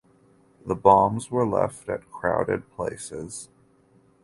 The bombs were left at crowded places.